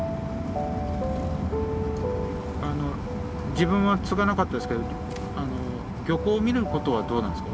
自分は継がなかったですけど漁港を見ることはどうなんですか？